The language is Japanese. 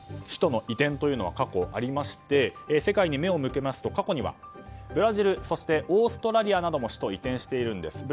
首都の移転というのは過去にありまして世界に目を向けますと、過去にはブラジル、オーストラリアなども首都移転しているんです。